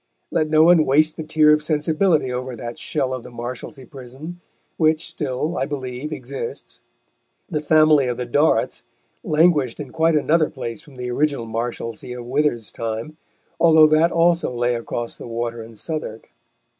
Let no one waste the tear of sensibility over that shell of the Marshalsea Prison, which still, I believe, exists. The family of the Dorrits languished in quite another place from the original Marshalsea of Wither's time, although that also lay across the water in Southwark.